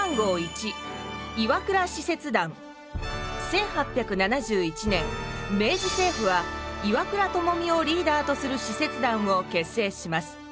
１８７１年明治政府は岩倉具視をリーダーとする使節団を結成します。